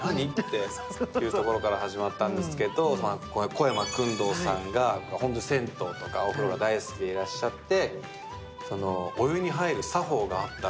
小山薫堂さんが銭湯とかお風呂が大好きでらっしゃって。